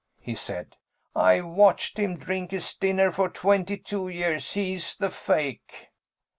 he said. "I've watched him drink his dinner for twenty two years he's the fake!"